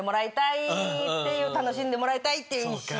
楽しんでもらいたいっていう一心で。